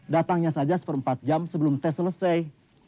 datangnya saja seperempat jam sebelum tes selesai